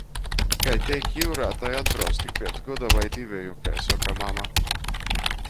Kai teik jiurā, tai atbrauc tik piec goda voi diveju, kai soka mama.